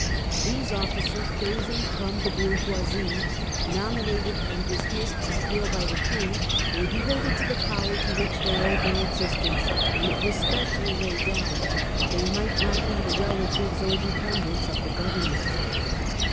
1 These officers, chosen from the hour tendants. geoisie , nominated and dismissed at will by the King, were devoted to the power to which they owed their existence, and it was specially laid down that they might not be the relatives or dependents of the governors.